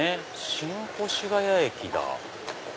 新越谷駅だ。